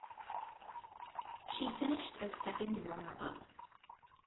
She finished as second runner up.